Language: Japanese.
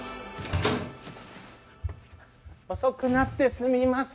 ・遅くなってすみません！